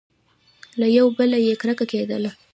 له یوه بله یې کرکه کېدله !